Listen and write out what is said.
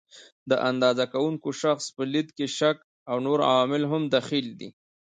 د اندازه کوونکي شخص په لید کې شک او نور عوامل هم دخیل دي.